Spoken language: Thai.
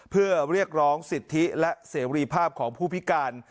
เพื่อเรียกร้องสิทธิและเสรีภาพของผู้พิการ